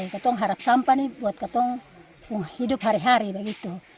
kata kata harap sampah ini buat kata kata hidup hari hari begitu